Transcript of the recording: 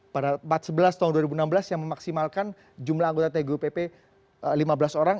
pada empat sebelas tahun dua ribu enam belas yang memaksimalkan jumlah anggota tgupp lima belas orang